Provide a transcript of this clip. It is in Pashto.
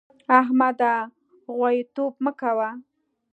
احمده! غواييتوب مه کوه.